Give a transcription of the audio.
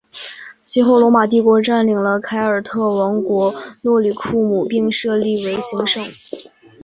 其后罗马帝国占领了凯尔特王国诺里库姆并设立为行省。